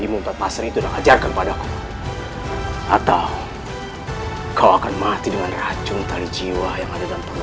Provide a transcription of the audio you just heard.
aku tetap sendiri dengan keangi kaki uwaakenku